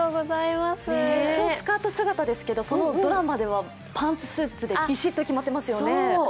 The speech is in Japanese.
今日、スカート姿ですけど、ドラマではパンツスーツでビシッと決まってますよね？